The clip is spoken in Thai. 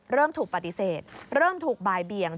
เริ่มถูกปฏิเสธเริ่มถูกบ่ายเบียง